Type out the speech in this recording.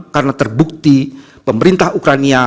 karena terbukti pemerintah ukrania